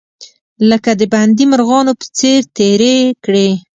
لکه د بندي مرغانو په څیر تیرې کړې.